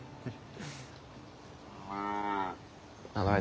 はい。